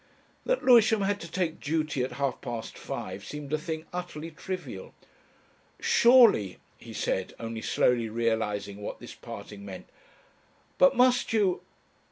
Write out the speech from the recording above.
That Lewisham had to take "duty" at half past five seemed a thing utterly trivial. "Surely," he said, only slowly realising what this parting meant. "But must you?